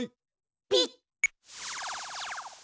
ピッ！